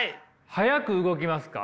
速く動きますか？